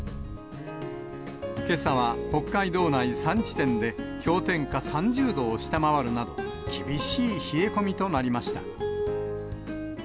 けさは北海道内３地点で、氷点下３０度を下回るなど、厳しい冷え込みとなりました。